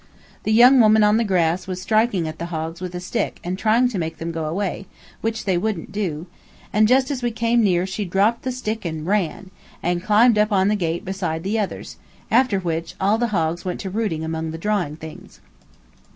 The young woman on the grass was striking at the hogs with a stick and trying to make them go away, which they wouldn't do; and just as we came near she dropped the stick and ran, and climbed up on the gate beside the others, after which all the hogs went to rooting among the drawing things.